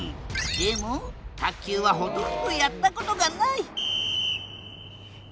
でも卓球はほとんどやったことがない！